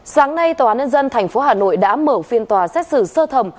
sáng nay tòa án nhân dân tp hà nội đã mở phiên tòa xét xử sơ thẩm